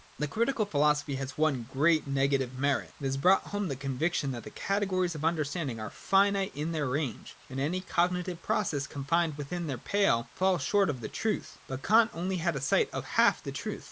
(i) The Critical philosophy has one great negative merit. It has brought home the conviction that the categories of understanding are finite in their range, and that any cogni tive process confined within their pale falls short of the truth. But Kant had only a sight of half the truth.